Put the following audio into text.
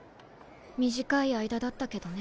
短い間だったけどね。